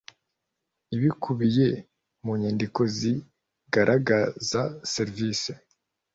ibikubiye mu nyandiko zigaragaza serivisi